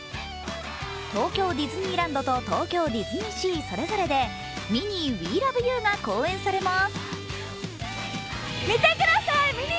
東京ディズニーランドと東京ディズニーシーそれぞれでミニー、ウィー・ラブ・ユー！が公演されます。